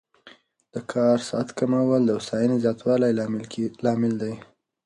د کار ساعت کمول د هوساینې زیاتوالي لامل دی.